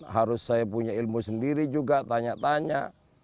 harus saya punya ilmu sendiri juga tanya tanya